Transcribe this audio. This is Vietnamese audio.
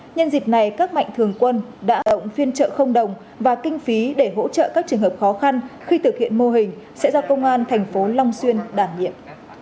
nhân dịp này các mạnh thường quân đã động phiên trợ không đồng và kinh phí để hỗ trợ các trường hợp khó khăn khi thực hiện mô hình sẽ do công an thành phố long xuyên đảm nhiệm